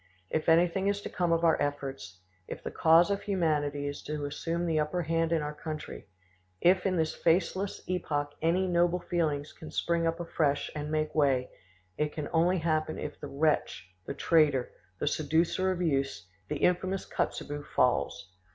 If anything is to come of our efforts, if the cause of humanity is to assume the upper hand in our country, if in this faithless epoch any noble feelings can spring up afresh and make way, it can only happen if the wretch, the traitor, the seducer of youth, the infamous Kotzebue, falls!